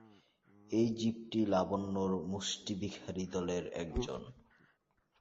এই জীবটি লাবণ্যর মুষ্টিভিখারিদলের একজন।